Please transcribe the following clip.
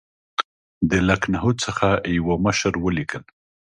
د لکنهو څخه یوه مشر ولیکل.